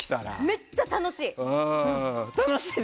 めっちゃ楽しい！